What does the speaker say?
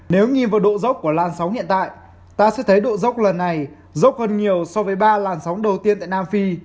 nếu nhìn vào độ dốc của làn sóng hiện tại ta sẽ thấy độ dốc lần này dốc hơn nhiều so với ba làn sóng đầu tiên tại nam phi